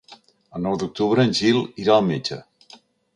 El nou d'octubre en Gil irà al metge.